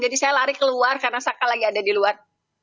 jadi saya lari keluar karena saka lagi ada di luar